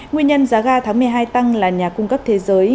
nguyên nhân giá ga tháng một mươi hai tăng là nhà cung cấp thế giới